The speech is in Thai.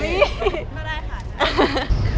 ไม่ได้ค่ะ